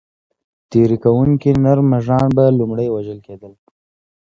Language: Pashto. تېري کوونکي نر مږان به لومړی وژل کېدل.